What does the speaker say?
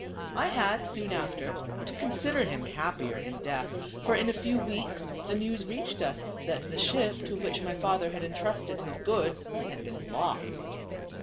I had, soon after, to consider him happier in death; for in a few weeks the news reached us that the ship, to which my father had entrusted his goods, had been lost.